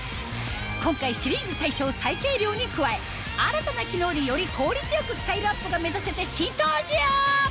今回シリーズ最小最軽量に加え新たな機能でより効率よくスタイルアップが目指せて新登場！